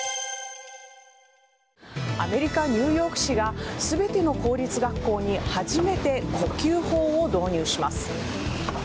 アメリカ・ニューヨーク市が全ての公立学校に初めて呼吸法を導入します。